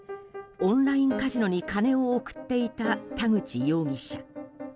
オンラインカジノに金を送っていた田口容疑者。